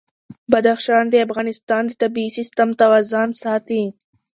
بدخشان د افغانستان د طبعي سیسټم توازن ساتي.